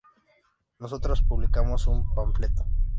nosotras publicamos un panfleto